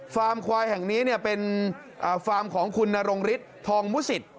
ควายแห่งนี้เป็นฟาร์มของคุณนรงฤทธิ์ทองมุสิต